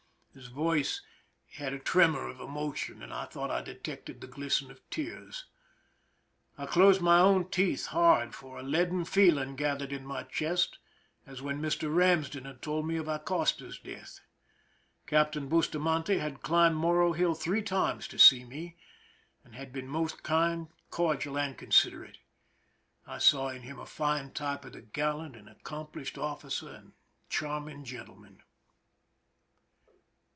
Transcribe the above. His voice had a tremor of emotion, and I thought I detected the glisten of tears. I closed my own teeth hard, for a leaden feeling gathered in my chest, as when Mr. Ramsden had told me of Acosta's death. Captain Bustamante had climbed Morro hill three times to see me, and had been most kind, cordial, and considerate. I saw in him a fine type of the gallant and accomplished officer and charming gentleman.